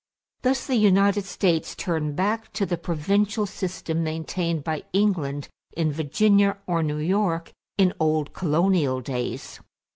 Thus the United States turned back to the provincial system maintained by England in Virginia or New York in old colonial days.